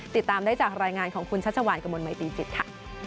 ติดตามได้จากรายงานของคุณชัชวานกระมวลมัยตีจิตค่ะ